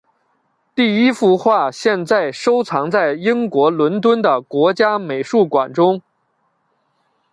第一幅画现在收藏在英国伦敦的国家美术馆中。